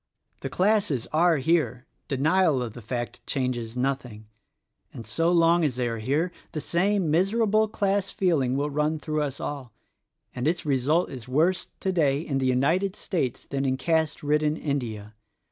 The classes are here — denial of the fact changes nothing — and so long as they are here, the* same miserable class feeling will run through us all; and its result is worse, today, in the United States than in caste ridden India.